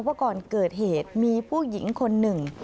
ว่าก่อนเกิดเหตุมีผู้หญิงคนหนึ่ง